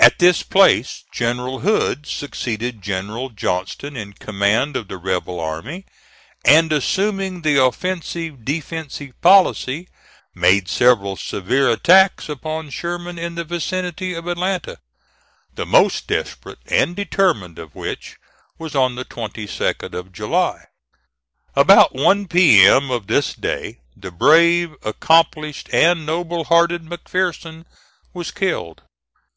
At this place General Hood succeeded General Johnston in command of the rebel army, and assuming the offensive defensive policy, made several severe attacks upon Sherman in the vicinity of Atlanta, the most desperate and determined of which was on the 22d of July. About one P.M. of this day the brave, accomplished, and noble hearted McPherson was killed.